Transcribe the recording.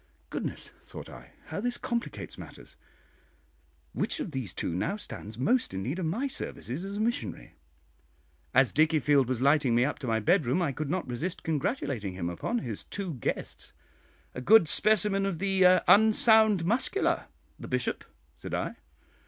"Goodness," thought I, "how this complicates matters! which of these two now stands most in need of my services as a missionary?" As Dickiefield was lighting me up to my bedroom, I could not resist congratulating him upon his two guests. "A good specimen of the 'unsound muscular,' the Bishop," said I.